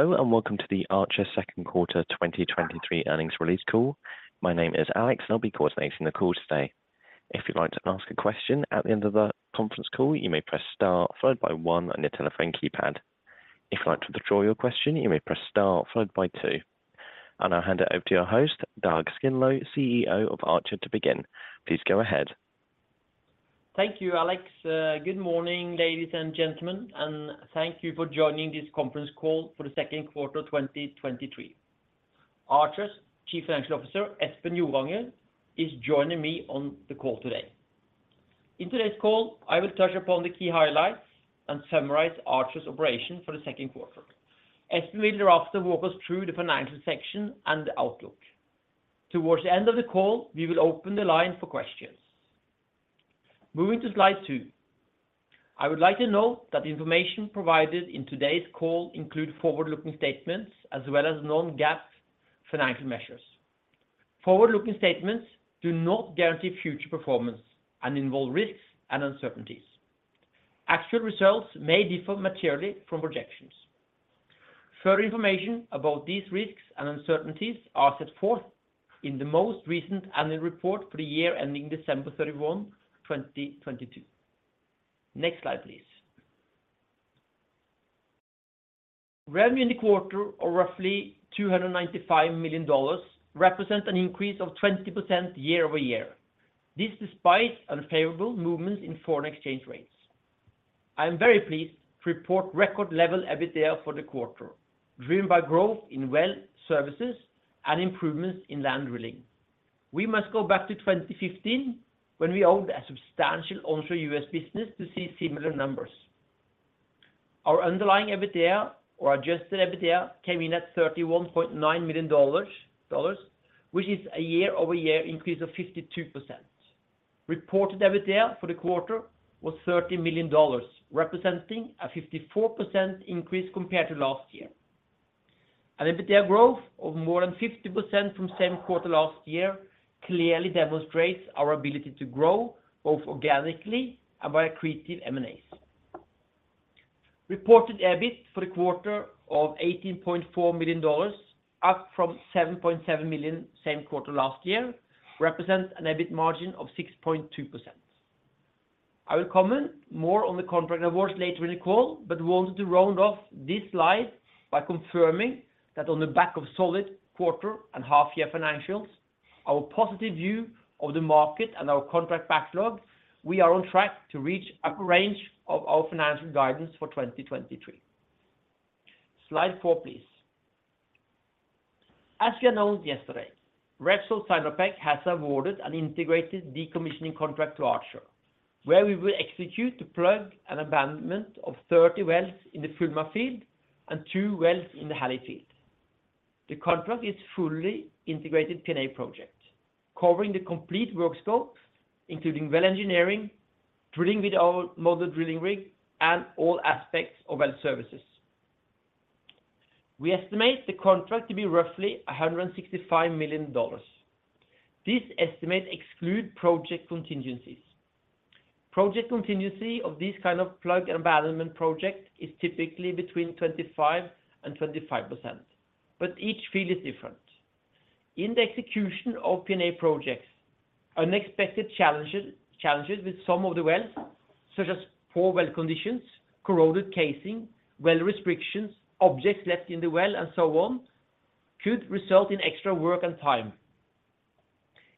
Hello, and welcome to the Archer Second Quarter 2023 Earnings Release Call. My name is Alex, and I'll be coordinating the call today. If you'd like to ask a question at the end of the conference call, you may press star followed by one on your telephone keypad. If you'd like to withdraw your question, you may press star followed by two. I'll hand it over to your host, Dag Skindlo, CEO of Archer, to begin. Please go ahead. Thank you, Alex. Good morning, ladies and gentlemen, and thank you for joining this conference call for the second quarter of 2023. Archer's Chief Financial Officer, Espen Joranger, is joining me on the call today. In today's call, I will touch upon the key highlights and summarize Archer's operation for the second quarter. Espen will thereafter walk us through the financial section and the outlook. Towards the end of the call, we will open the line for questions. Moving to slide two. I would like to note that the information provided in today's call include forward-looking statements as well as non-GAAP financial measures. Forward-looking statements do not guarantee future performance and involve risks and uncertainties. Actual results may differ materially from projections. Further information about these risks and uncertainties are set forth in the most recent annual report for the year ending 31 December 2022. Next slide, please. Revenue in the quarter of roughly $295 million represent an increase of 20% year-over-year. This, despite unfavorable movements in foreign exchange rates. I am very pleased to report record level EBITDA for the quarter, driven by growth in well services and improvements in land drilling. We must go back to 2015 when we owned a substantial onshore US business to see similar numbers. Our underlying EBITDA or adjusted EBITDA came in at $31.9 million, which is a year-over-year increase of 52%. Reported EBITDA for the quarter was $30 million, representing a 54% increase compared to last year. An EBITDA growth of more than 50% from same quarter last year clearly demonstrates our ability to grow, both organically and by accretive M&A. Reported EBIT for the quarter of $18.4 million, up from $7.7 million same quarter last year, represents an EBIT margin of 6.2%. I will comment more on the contract awards later in the call, but wanted to round off this slide by confirming that on the back of solid quarter and half year financials, our positive view of the market and our contract backlog, we are on track to reach upper range of our financial guidance for 2023. Slide four, please. As we announced yesterday, Repsol Sinopec has awarded an integrated decommissioning contract to Archer, where we will execute the plug and abandonment of 30 wells in the Fulmar field and two wells in the Halley field. The contract is fully integrated PNA project, covering the complete work scope, including well engineering, drilling with our mobile drilling rig, and all aspects of well services. We estimate the contract to be roughly $165 million. This estimate exclude project contingencies. Project contingency of this kind of plug and abandonment project is typically between 25% and 25%, but each field is different. In the execution of PNA projects, unexpected challenges with some of the wells, such as poor well conditions, corroded casing, well restrictions, objects left in the well, and so on, could result in extra work and time.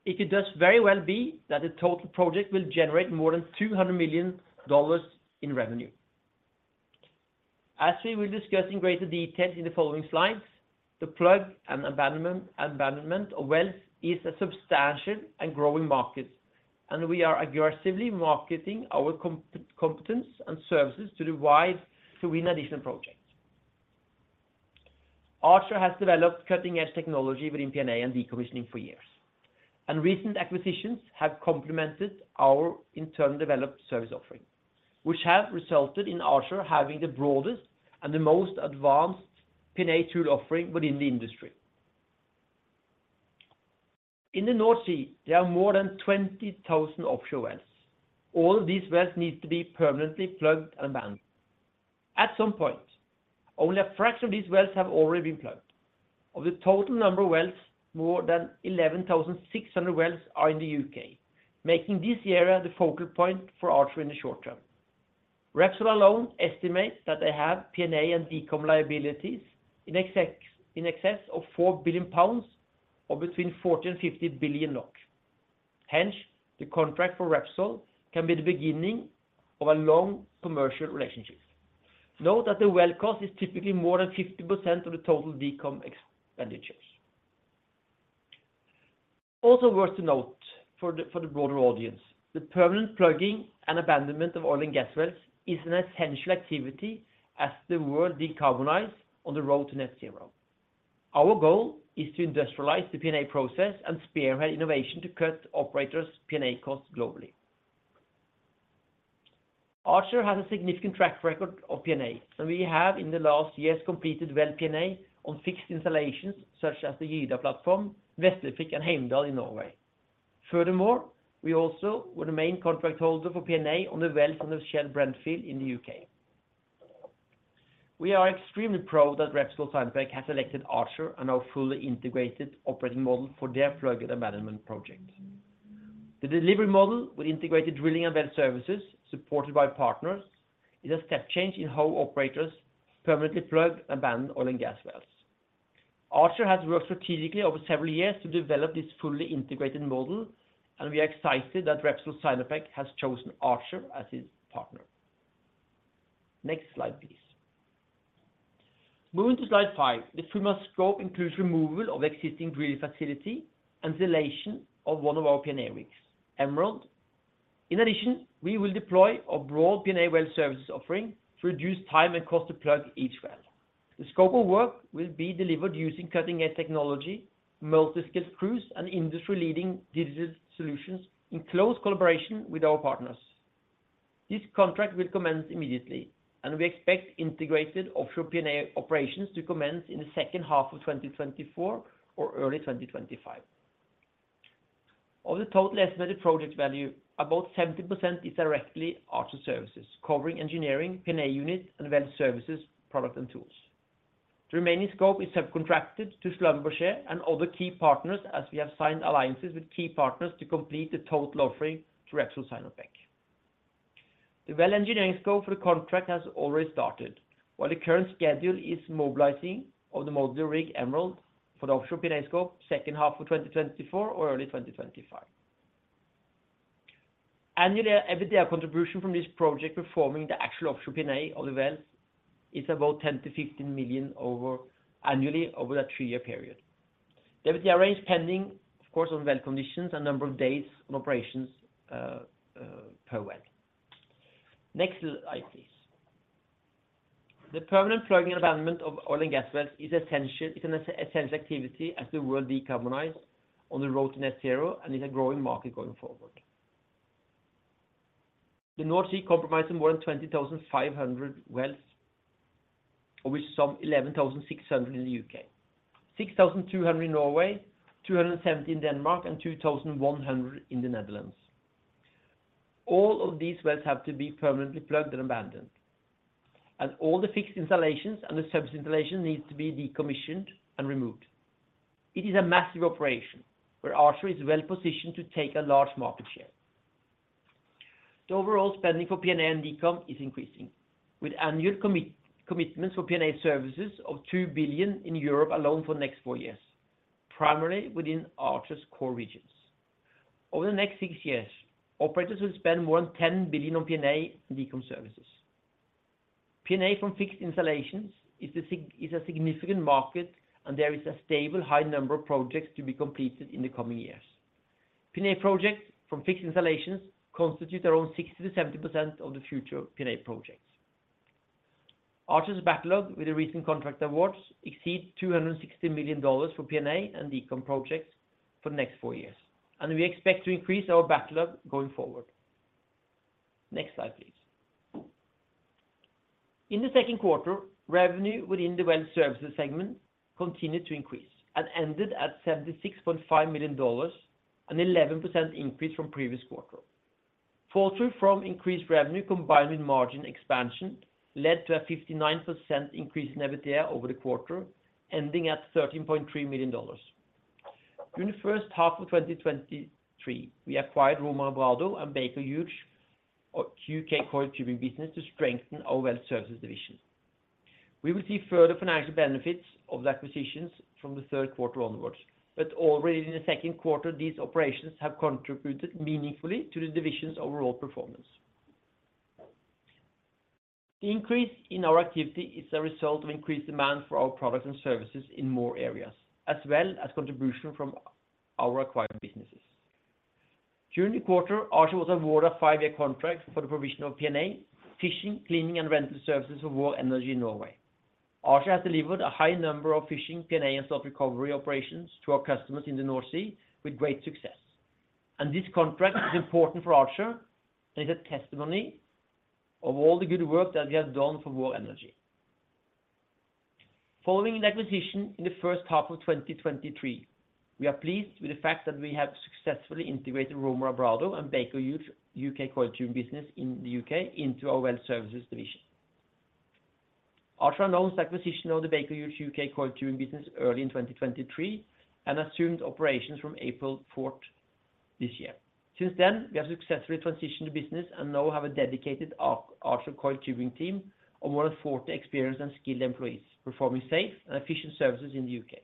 It could just very well be that the total project will generate more than $200 million in revenue. As we will discuss in greater detail in the following slides, the plug and abandonment of wells is a substantial and growing market. We are aggressively marketing our competence and services to win additional projects. Archer has developed cutting-edge technology within PNA and decommissioning for years. Recent acquisitions have complemented our internal developed service offering, which have resulted in Archer having the broadest and the most advanced PNA tool offering within the industry. In the North Sea, there are more than 20,000 offshore wells. All of these wells need to be permanently plugged and abandoned. At some point, only a fraction of these wells have already been plugged. Of the total number of wells, more than 11,600 wells are in the UK, making this area the focal point for Archer in the short term. Repsol alone estimates that they have PNA and decom liabilities in excess, in excess of 4 billion pounds, or between 40 billion and 50 billion NOK. The contract for Repsol can be the beginning of a long commercial relationship. Note that the well cost is typically more than 50% of the total decom expenditures. Also worth to note for the, for the broader audience, the permanent plugging and abandonment of oil and gas wells is an essential activity as the world decarbonize on the road to net zero. Our goal is to industrialize the PNA process and spearhead innovation to cut operators PNA costs globally. Archer has a significant track record of PNA, and we have, in the last years, completed well PNA on fixed installations such as the Gyda platform, Veslefrikk, and Heimdal in Norway.... Furthermore, we also were the main contract holder for PNA on the well from the Shell Brent Field in the UK. We are extremely proud that Repsol Sinopec has elected Archer and our fully integrated operating model for their plug and abandonment project. The delivery model with integrated drilling and well services, supported by partners, is a step change in how operators permanently plug abandoned oil and gas wells. Archer has worked strategically over several years to develop this fully integrated model, and we are excited that Repsol Sinopec has chosen Archer as its partner. Next slide, please. Moving to slide five. The Fulmar scope includes removal of existing drilling facility and installation of one of our PNA rigs, Emerald. In addition, we will deploy a broad PNA well services offering to reduce time and cost to plug each well. The scope of work will be delivered using cutting-edge technology, multi-skilled crews, and industry-leading digital solutions in close collaboration with our partners. This contract will commence immediately. We expect integrated offshore PNA operations to commence in the second half of 2024 or early 2025. Of the total estimated project value, about 70% is directly Archer services, covering engineering, PNA unit, and well services, product and tools. The remaining scope is subcontracted to Schlumberger and other key partners, as we have signed alliances with key partners to complete the total offering to Repsol Sinopec. The well engineering scope for the contract has already started, while the current schedule is mobilizing of the modular rig, Emerald, for the offshore PNA scope, second half of 2024 or early 2025. Annual EBITDA contribution from this project, performing the actual offshore PNA of the well, is about $10 to 15 million over annually over a three-year period. The EBITDA is pending, of course, on well conditions and number of days on operations per well. Next slide, please. The permanent plugging and abandonment of oil and gas wells is an essential activity as the world decarbonize on the road to net zero and is a growing market going forward. The North Sea comprises more than 20,500 wells, of which some 11,600 in the UK, 6,200 in Norway, 270 in Denmark, and 2,100 in the Netherlands. All of these wells have to be permanently plugged and abandoned, as all the fixed installations and the service installation needs to be decommissioned and removed. It is a massive operation where Archer is well-positioned to take a large market share. The overall spending for PNA and decom is increasing, with annual commitments for PNA services of $2 billion in Europe alone for the next four years, primarily within Archer's core regions. Over the next six years, operators will spend more than $10 billion on PNA and decom services. PNA from fixed installations is a significant market, and there is a stable, high number of projects to be completed in the coming years. PNA projects from fixed installations constitute around 60% to 70% of the future PNA projects. Archer's backlog, with the recent contract awards, exceeds $260 million for PNA and decom projects for the next four years, and we expect to increase our backlog going forward. Next slide, please. In the second quarter, revenue within the well services segment continued to increase and ended at $76.5 million, an 11% increase from previous quarter. Fallthrough from increased revenue, combined with margin expansion, led to a 59% increase in EBITDA over the quarter, ending at $13.3 million. During the first half of 2023, we acquired Romar-Abrado and Baker Hughes, or UK Coiled Tubing business, to strengthen our well services division. We will see further financial benefits of the acquisitions from the third quarter onwards, but already in the second quarter, these operations have contributed meaningfully to the division's overall performance. The increase in our activity is a result of increased demand for our products and services in more areas, as well as contribution from our acquired businesses. During the quarter, Archer was awarded a 5-year contract for the provision of PNA, fishing, cleaning, and rental services for Vår Energi in Norway. Archer has delivered a high number of fishing, PNA, and soft recovery operations to our customers in the North Sea with great success. This contract is important for Archer, and is a testimony of all the good work that we have done for Vår Energi. Following the acquisition in the first half of 2023, we are pleased with the fact that we have successfully integrated Romar-Abrado and Baker Hughes UK Coiled Tubing business in the UK into our well services division. Archer announced the acquisition of the Baker Hughes UK Coiled Tubing business early in 2023 and assumed operations from April 4th this year. Since then, we have successfully transitioned the business and now have a dedicated Archer Coiled Tubing team of more than 40 experienced and skilled employees, performing safe and efficient services in the U.K.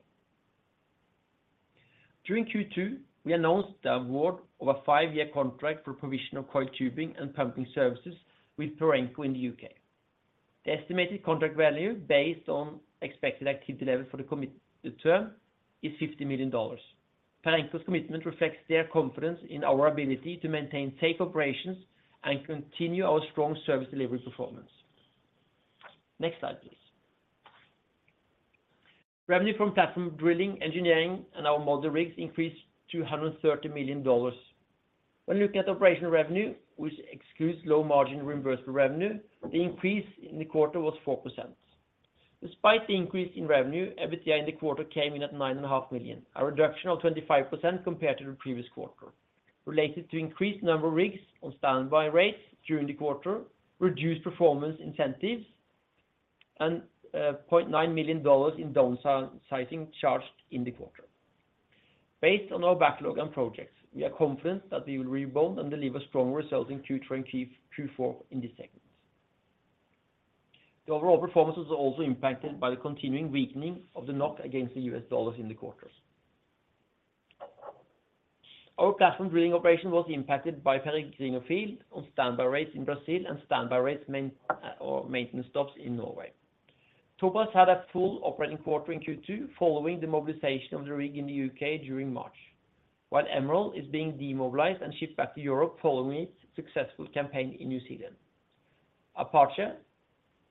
During second quarter, we announced the award of a five-year contract for provision of Coiled Tubing and pumping services with Perenco in the U.K. The estimated contract value, based on expected activity level for the commit, the term, is $50 million. Perenco's commitment reflects their confidence in our ability to maintain safe operations and continue our strong service delivery performance. Next slide, please. Revenue from platform drilling, engineering, and our modular rigs increased to $130 million. When looking at operational revenue, which excludes low margin reimbursable revenue, the increase in the quarter was 4%. Despite the increase in revenue, EBITDA in the quarter came in at $9.5 million, a reduction of 25% compared to the previous quarter, related to increased number of rigs on standby rates during the quarter, reduced performance incentives, and $0.9 million in downsizing charged in the quarter. Based on our backlog and projects, we are confident that we will rebound and deliver strong results in third quarter and fourth quarter in this segment. The overall performance was also impacted by the continuing weakening of the NOK against the US dollar in the quarters. Our platform drilling operation was impacted by Peregrino field on standby rates in Brazil and standby rates maintenance stops in Norway. Topaz had a full operating quarter in second quarter, following the mobilization of the rig in the UK during March, while Emerald is being demobilized and shipped back to Europe following its successful campaign in New Zealand. Apache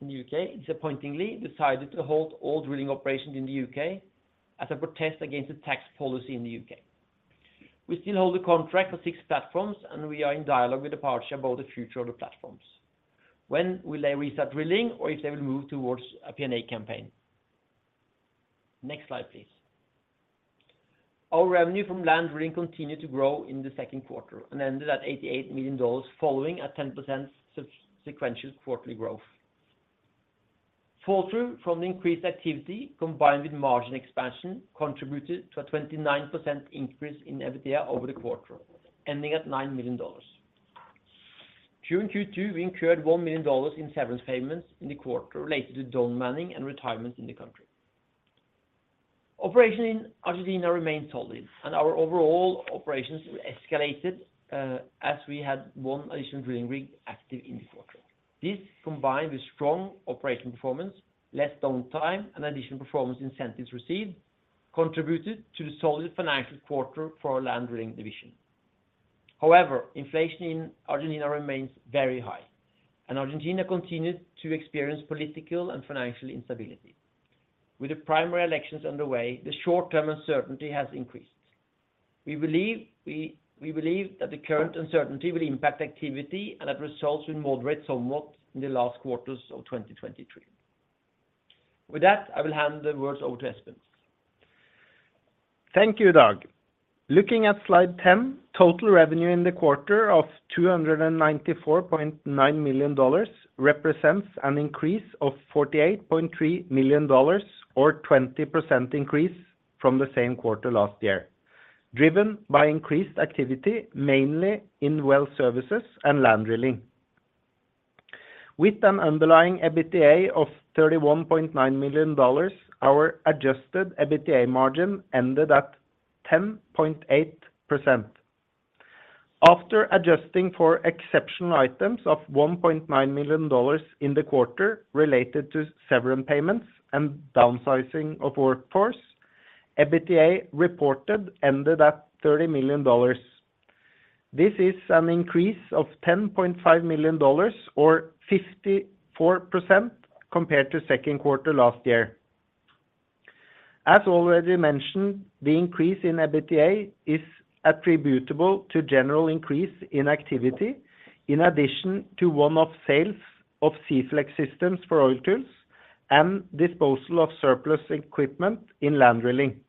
in the UK, disappointingly, decided to halt all drilling operations in the UK as a protest against the tax policy in the UK. We still hold a contract for six platforms, we are in dialogue with Apache about the future of the platforms. When will they restart drilling or if they will move towards a PNA campaign? Next slide, please. Our revenue from land drilling continued to grow in the second quarter and ended at $88 million, following a 10% sequential quarterly growth. Fall through from the increased activity, combined with margin expansion, contributed to a 29% increase in EBITDA over the quarter, ending at $9 million. During second quarter, we incurred $1 million in severance payments in the quarter related to down manning and retirement in the country. Operation in Argentina remains solid, and our overall operations escalated, as we had one additional drilling rig active in the quarter. This, combined with strong operation performance, less downtime and additional performance incentives received, contributed to the solid financial quarter for our land drilling division. However, inflation in Argentina remains very high, and Argentina continued to experience political and financial instability. With the primary elections underway, the short-term uncertainty has increased. We believe, we believe that the current uncertainty will impact activity and that results will moderate somewhat in the last quarters of 2023. With that, I will hand the words over to Espen. Thank you, Dag. Looking at slide 10, total revenue in the quarter of $294.9 million represents an increase of $48.3 million, or 20% increase from the same quarter last year, driven by increased activity, mainly in well services and land drilling. With an underlying EBITDA of $31.9 million, our adjusted EBITDA margin ended at 10.8%. After adjusting for exceptional items of $1.9 million in the quarter related to severance payments and downsizing of workforce, EBITDA reported ended at $30 million. This is an increase of $10.5 million or 54% compared to second quarter last year. As already mentioned, the increase in EBITDA is attributable to general increase in activity, in addition to one-off sales of Seaflex systems for oil tools and disposal of surplus equipment in land drilling.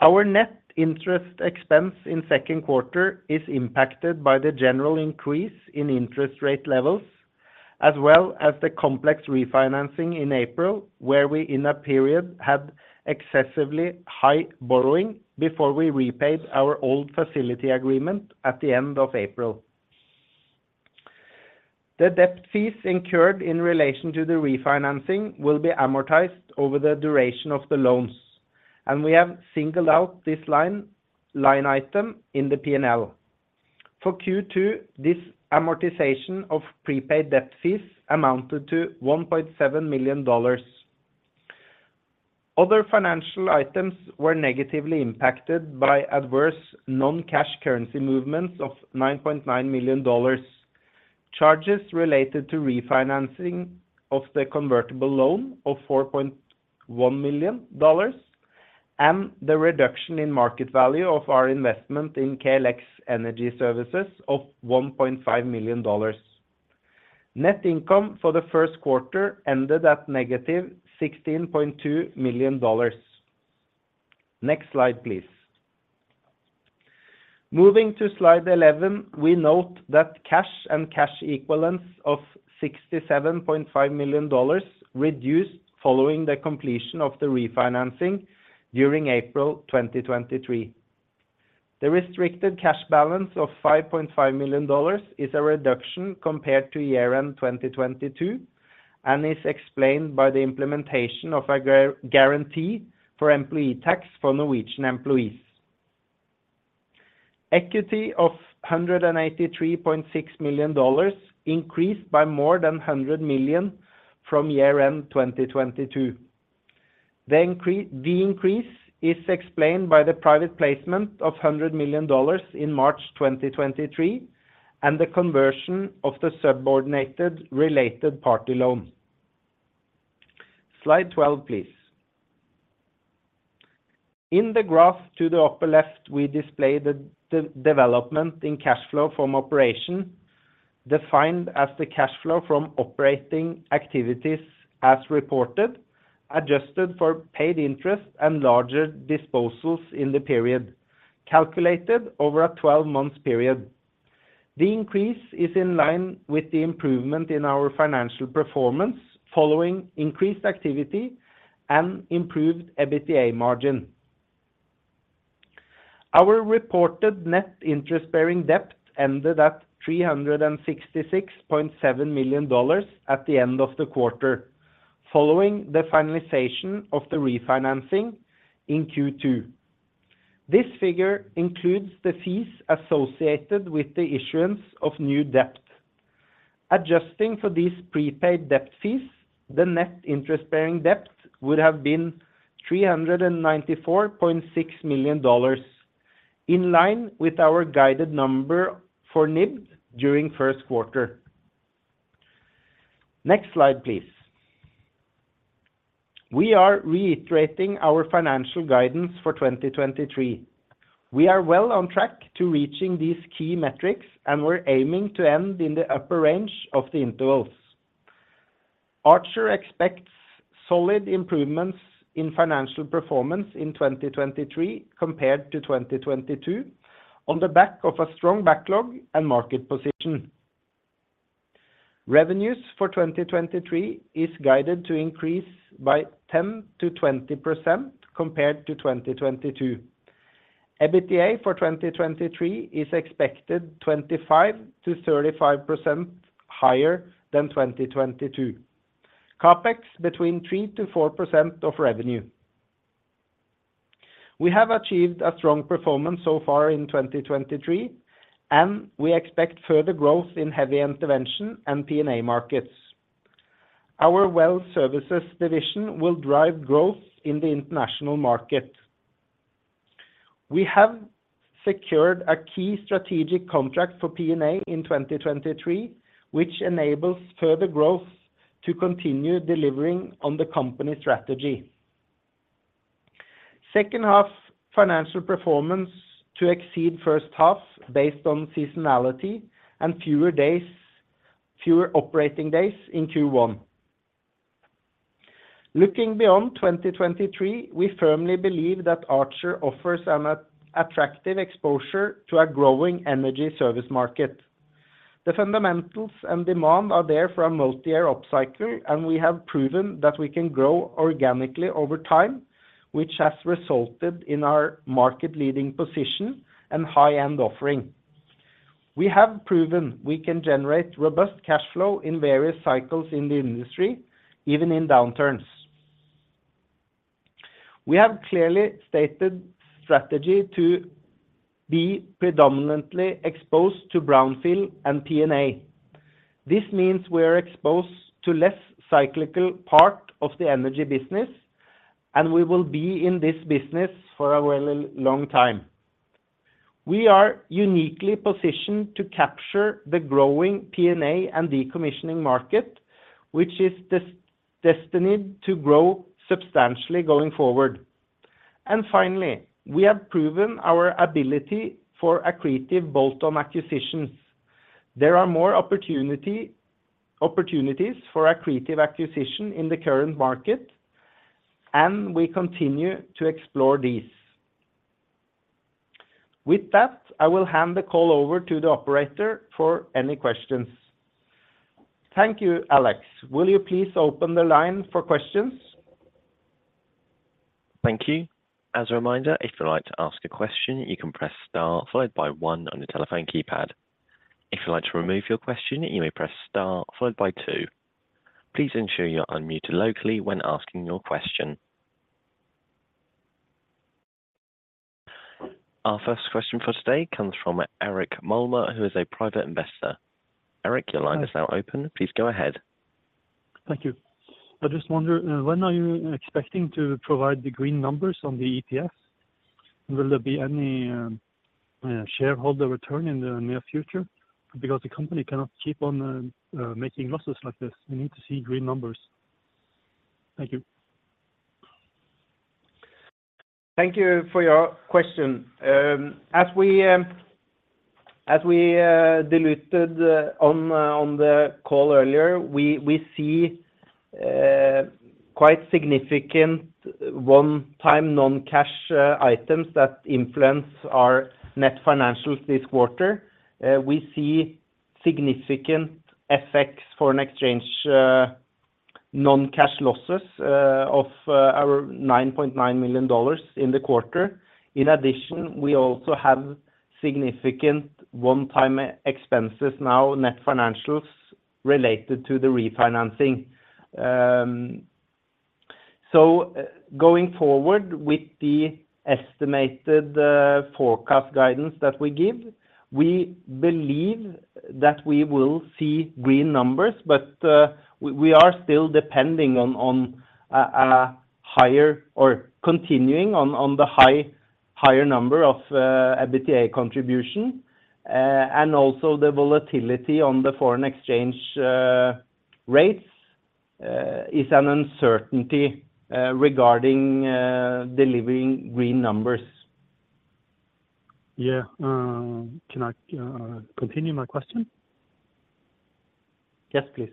Our net interest expense in second quarter is impacted by the general increase in interest rate levels, as well as the complex refinancing in April, where we, in that period, had excessively high borrowing before we repaid our old facility agreement at the end of April. The debt fees incurred in relation to the refinancing will be amortized over the duration of the loans. We have singled out this line, line item in the P&L. For second quarter, this amortization of prepaid debt fees amounted to $1.7 million. Other financial items were negatively impacted by adverse non-cash currency movements of $9.9 million. Charges related to refinancing of the convertible loan of $4.1 million, the reduction in market value of our investment in KLX Energy Services of $1.5 million. Net income for the first quarter ended at negative $16.2 million. Next slide, please. Moving to slide 11, we note that cash and cash equivalents of $67.5 million reduced following the completion of the refinancing during April 2023. The restricted cash balance of $5.5 million is a reduction compared to year-end 2022 and is explained by the implementation of a guarantee for employee tax for Norwegian employees. Equity of $183.6 million increased by more than $100 million from year-end 2022. The increase is explained by the private placement of $100 million in March 2023, and the conversion of the subordinated related party loan. Slide 12, please. In the graph to the upper left, we display the development in cash flow from operation, defined as the cash flow from operating activities as reported, adjusted for paid interest and larger disposals in the period, calculated over a 12-month period. The increase is in line with the improvement in our financial performance, following increased activity and improved EBITDA margin. Our reported net interest-bearing debt ended at $366.7 million at the end of the quarter, following the finalization of the refinancing in second quarter. This figure includes the fees associated with the issuance of new debt. Adjusting for these prepaid debt fees, the net interest-bearing debt would have been $394.6 million, in line with our guided number for NIBD during first quarter. Next slide, please. We are reiterating our financial guidance for 2023. We are well on track to reaching these key metrics, and we're aiming to end in the upper range of the intervals. Archer expects solid improvements in financial performance in 2023 compared to 2022 on the back of a strong backlog and market position. Revenues for 2023 is guided to increase by 10% to 20% compared to 2022. EBITDA for 2023 is expected 25% to 35% higher than 2022. CapEx between 3% to 4% of revenue. We have achieved a strong performance so far in 2023, and we expect further growth in heavy intervention and PNA markets. Our wealth services division will drive growth in the international market. We have secured a key strategic contract for PNA in 2023, which enables further growth to continue delivering on the company strategy. Second half financial performance to exceed first half based on seasonality and fewer operating days in first quarter. Looking beyond 2023, we firmly believe that Archer offers a attractive exposure to a growing energy service market. The fundamentals and demand are there for a multi-year upcycle, and we have proven that we can grow organically over time, which has resulted in our market leading position and high-end offering. We have proven we can generate robust cash flow in various cycles in the industry, even in downturns. We have clearly stated strategy to be predominantly exposed to brownfield and PNA. This means we are exposed to less cyclical part of the energy business, and we will be in this business for a well, long time. We are uniquely positioned to capture the growing PNA and decommissioning market, which is destined to grow substantially going forward. Finally, we have proven our ability for accretive bolt-on acquisitions. There are more opportunities for accretive acquisition in the current market, and we continue to explore these. With that, I will hand the call over to the operator for any questions. Thank you. Alex, will you please open the line for questions? Thank you. As a reminder, if you'd like to ask a question, you can press Star followed by one on your telephone keypad. If you'd like to remove your question, you may press Star followed by two. Please ensure you're unmuted locally when asking your question. Our first question for today comes from Eric Mulmer, who is a private investor. Eric, your line is now open. Please go ahead. Thank you. I just wonder, when are you expecting to provide the green numbers on the EPS? Will there be any shareholder return in the near future? The company cannot keep on making losses like this. We need to see green numbers. Thank you. Thank you for your question. As we diluted on the call earlier, we see quite significant one-time non-cash items that influence our net financials this quarter. We see significant effects for an exchange non-cash losses of our $9.9 million in the quarter. In addition, we also have significant one-time expenses now, net financials related to the refinancing. Going forward with the estimated forecast guidance that we give, we believe that we will see green numbers, but we are still depending on a higher or continuing on the higher number of EBITDA contribution, and also the volatility on the foreign exchange rates is an uncertainty regarding delivering green numbers. Yeah. Can I continue my question? Yes, please.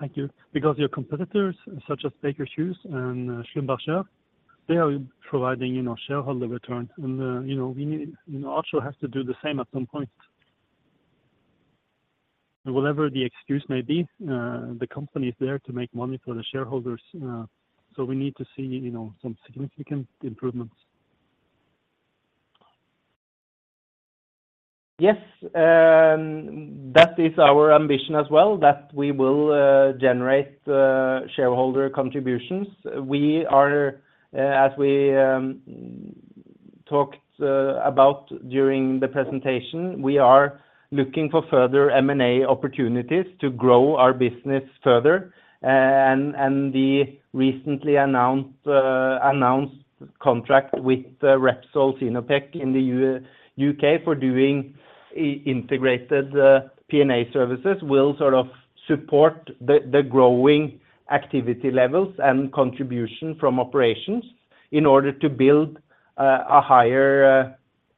Thank you. Your competitors, such as Baker Hughes and Schlumberger, they are providing, you know, shareholder return, and, you know, Archer has to do the same at some point. Whatever the excuse may be, the company is there to make money for the shareholders. We need to see, you know, some significant improvements. Yes, that is our ambition as well, that we will generate shareholder contributions. We are, as we talked about during the presentation, we are looking for further M&A opportunities to grow our business further. The recently announced contract with Repsol Sinopec in the UK for doing integrated PNA services will sort of support the growing activity levels and contribution from operations in order to build a higher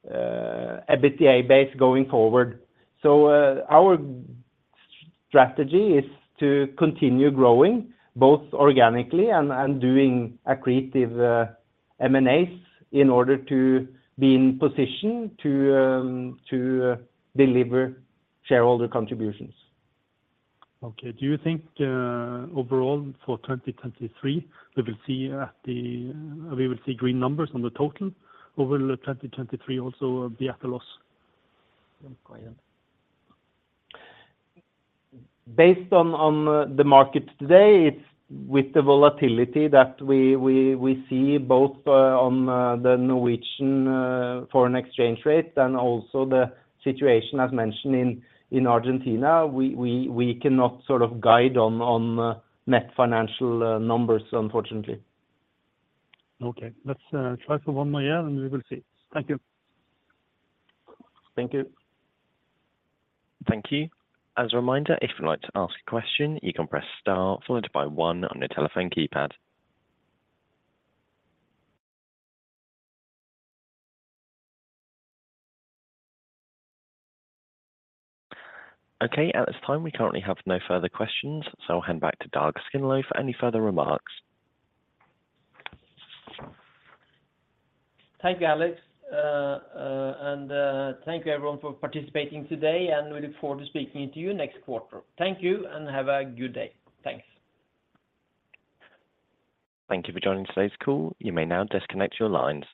EBITDA base going forward. Our strategy is to continue growing, both organically and doing accretive M&A in order to be in position to deliver shareholder contributions. Okay. Do you think, overall for 2023, we will see, we will see green numbers on the total, or will 2023 also be at a loss? Based on, on, the market today, it's with the volatility that we, we, we see both, on, the Norwegian, foreign exchange rate and also the situation, as mentioned in, in Argentina, we, we, we cannot sort of guide on, on, net financial, numbers, unfortunately. Okay. Let's try for one more year. We will see. Thank you. Thank you. Thank you. As a reminder, if you'd like to ask a question, you can press star followed by one on your telephone keypad. Okay, at this time, we currently have no further questions. I'll hand back to Dag Skindlo for any further remarks. Thank you, Alex. And thank you, everyone, for participating today, and we look forward to speaking to you next quarter. Thank you, and have a good day. Thanks. Thank you for joining today's call. You may now disconnect your lines.